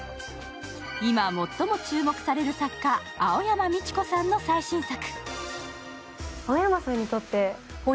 今、最も注目される作家、青山美智子さんの最新作。